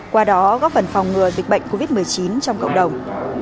qua đó góp phần phòng ngừa dịch bệnh covid một mươi chín trong cộng đồng